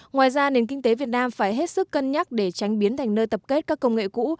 ngoài ra nền kinh tế việt nam phải hết sức cân nhắc để tránh biến thành nơi tập kết các công nghệ cũ